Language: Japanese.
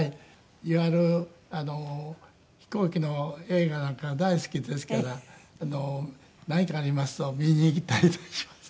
いわゆる飛行機の映画なんかは大好きですから何かありますと見に行ったりとかします。